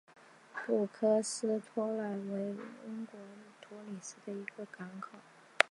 布里斯托港是位于英国英格兰布里斯托的一座港口。